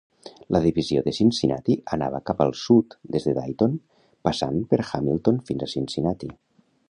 La divisió de Cincinnati anava cap al sud des de Dayton passant per Hamilton fins a Cincinnati.